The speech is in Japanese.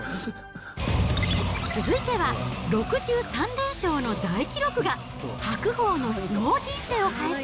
続いては、６３連勝の大記録が、白鵬の相撲人生を変えた！